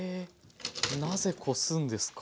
なぜこすんですか？